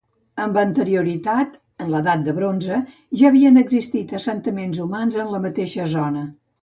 Amb anterioritat, en l'edat del bronze, ja havien existit assentaments humans en la mateixa zona.